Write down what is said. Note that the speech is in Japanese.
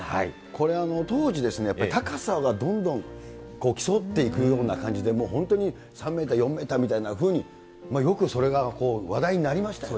これ、当時、高さがどんどん競っていくような感じで、もう本当に３メーター、４メーターというふうに、よくそれが話題になりましたよ。